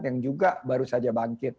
yang juga baru saja bangkit